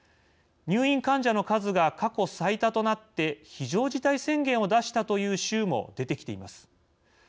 入院患者の数が過去最多となって非常事態宣言を出したという州も出てきています。